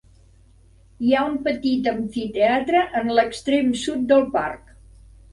Hi ha un petit amfiteatre en l'extrem sud del parc.